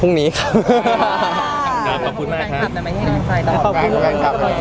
พรุ่งนี้ครับ